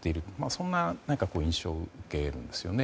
そんな印象を受けるんですよね